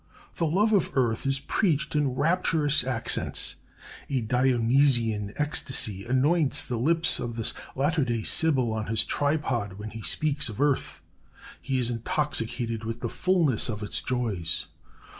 The love of earth is preached in rapturous accents. A Dionysian ecstasy anoints the lips of this latter day Sibyl on his tripod when he speaks of earth. He is intoxicated with the fulness of its joys.